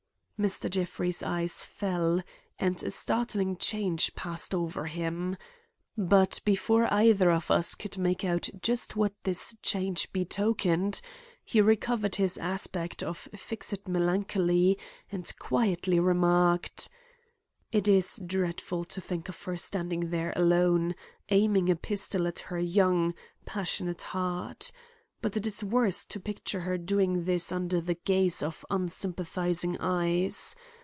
Mr. Jeffrey's eyes fell; and a startling change passed over him. But before either of us could make out just what this change betokened he recovered his aspect of fixed melancholy and quietly remarked: "It is dreadful to think of her standing there alone, aiming a pistol at her young, passionate heart; but it is worse to picture her doing this under the gaze of unsympathizing eyes.